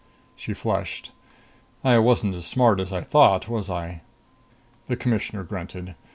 She flushed. "I wasn't as smart as I thought, was I?" The Commissioner grunted.